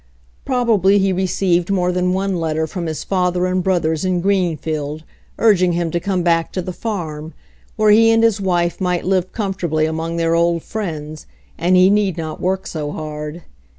Probably he received more than one letter from his father and brothers in Greenfield', urging him to come back to the farm, where he and his wife might live comfortably among their old friends, and he need not work so hard.